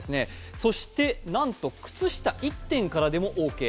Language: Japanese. そしてなんと靴下１点からでもオーケー。